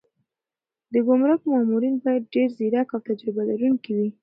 د ګمرک مامورین باید ډېر ځیرک او تجربه لرونکي وي.